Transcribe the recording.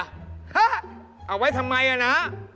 ฮะเอาไว้ทำไมอ่ะนะ